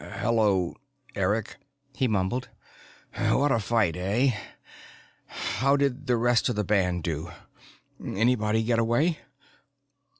"Hello, Eric," he mumbled. "What a fight, eh? How did the rest of the band do? Anybody get away?"